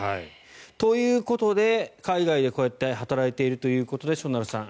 ということで海外でこうやって働いているということでしょなるさん